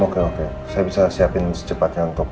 oke oke saya bisa siapin secepatnya untuk